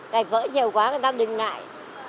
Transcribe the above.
gạch vỡ nhiều quá người ta đừng ngại